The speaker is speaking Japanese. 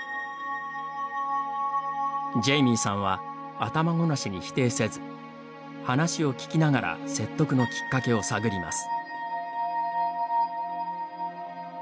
ジェイミーさんは頭ごなしに否定せず話を聞きながら説得のきっかけを探ります。